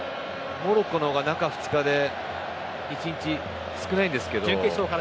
モロッコのほうが中２日で１日少ないんですけど。